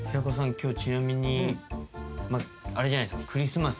今日ちなみにあれじゃないですかクリスマス。